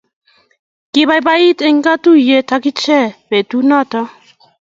Kibaibait eng kiyetuyo ak ichek betu noto.